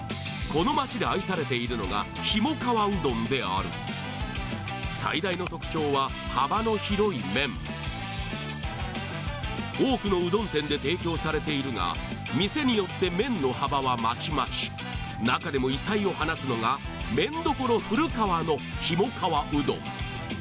この町で愛されているのがひもかわうどんである最大の特徴は幅の広い麺多くのうどん店で提供されているが店によって麺の幅はまちまち中でも異彩を放つのがめん処ふる川のひもかわうどん